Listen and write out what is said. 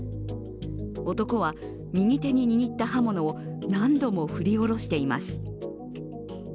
男は右手に握った刃物を何度も振り下ろしています。